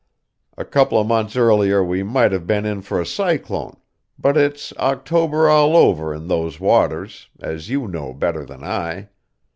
A couple of months earlier we might have been in for a cyclone, but it's "October all over" in those waters, as you know better than I.